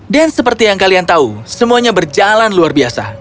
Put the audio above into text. dan seperti yang kalian tahu semuanya berjalan luar biasa